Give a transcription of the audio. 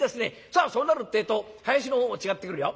さあそうなるってえと囃子の方も違ってくるよ」。